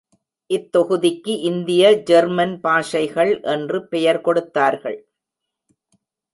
இத்தொகுதிக்கு, இந்திய ஜெர்மன் பாஷைகள் என்று பெயர் கொடுத்தார்கள்.